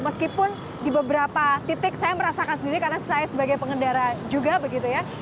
meskipun di beberapa titik saya merasakan sendiri karena saya sebagai pengendara juga begitu ya